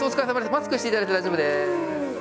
マスクしていただいて大丈夫です。